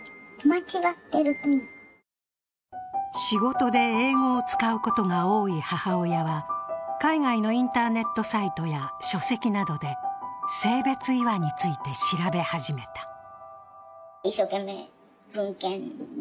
仕事で英語を使うことが多い母親は、海外のインターネットサイトや書籍などで性別違和について調べ始めた。